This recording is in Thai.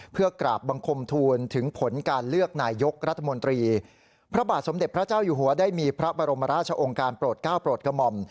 เพื่อกราบบังคมทูลถึงผลการเลือกนายยกรัฐมนตรีพระบาทสมเด็จพระเจ้าอยู่หัวได้มีพระบรมราชองค์การโปรดก้าวโปรดกระหม่อม